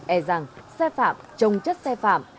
e rằng xe phạm trồng chất xe phạm